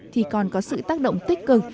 thì còn có sự tác động tích cực